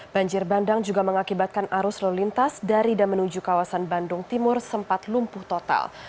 banjir bandang juga mengakibatkan arus lalu lintas dari dan menuju kawasan bandung timur sempat lumpuh total